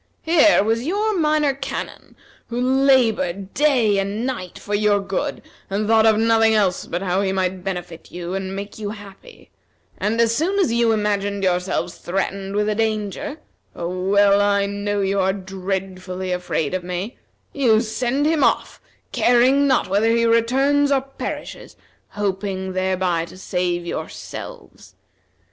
Here was your Minor Canon, who labored day and night for your good, and thought of nothing else but how he might benefit you and make you happy; and as soon as you imagine yourselves threatened with a danger, for well I know you are dreadfully afraid of me, you send him off, caring not whether he returns or perishes, hoping thereby to save yourselves.